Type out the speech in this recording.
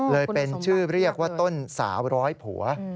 เลยเป็นชื่อเรียกว่าต้นสาวร้อยผัว